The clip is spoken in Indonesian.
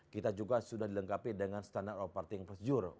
kita juga sudah dilengkapi dengan standard of party procedure